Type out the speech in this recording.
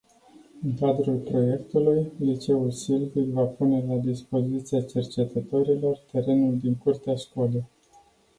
În cadrul proiectului, liceul Silvic va pune la dispoziția cercetătorilor terenul din curtea școlii.